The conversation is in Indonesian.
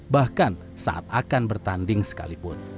bahkan saat akan bertanding sekalipun